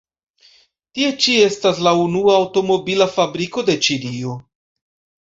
Tie ĉi estas la unua aŭtomobila fabriko de Ĉinio.